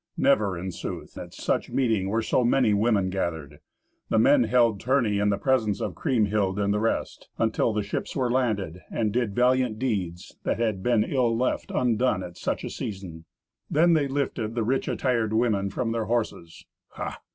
Never, in sooth, at such meeting were so many women gathered. The men held tourney in the presence of Kriemhild and the rest, until the ships were landed, and did valiant deeds, that had been ill left undone at such a season. Then they lifted the rich attired women from their horses. Ha!